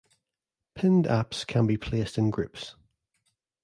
Pinned apps can be placed in groups.